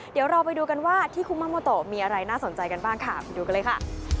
เดี๋ยวเราไปดูกันว่าที่คุมาโมโตมีอะไรน่าสนใจกันบ้างค่ะไปดูกันเลยค่ะ